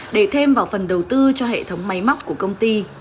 để thêm vào phần đầu tư cho hệ thống máy móc của công ty